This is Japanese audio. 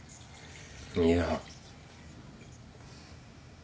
いや。